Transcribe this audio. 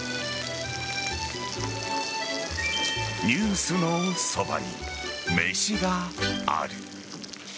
「ニュースのそばに、めしがある。」